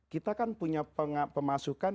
kita kan punya pemasukan